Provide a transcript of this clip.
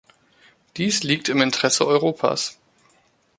Dies liegt im Interesse Europas.